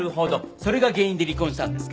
それが原因で離婚したんですか。